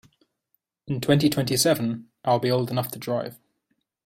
In twenty-twenty-seven I will old enough to drive.